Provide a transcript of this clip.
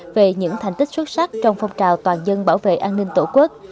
về những thành tích xuất sắc trong phong trào toàn dân bảo vệ an ninh tổ quốc